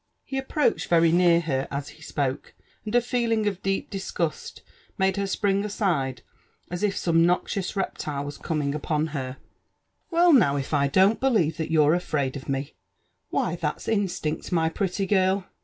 He approached very near her as he spoke, and a feeling of deep disgust made her spring aside as if some noxious reptile was coming upon her,, Well, now, if I don't believe that you're afraid of me ! Why, that's instinct, my ^pretty girl.